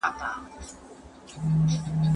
¬ اوله گټه شيطان کړې ده.